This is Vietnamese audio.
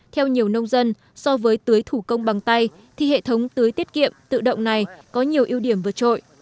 theo nhiều nông dân so với tưới thủ công bằng tay thì hệ thống tưới tiết kiệm tự động này có nhiều ưu điểm vượt trội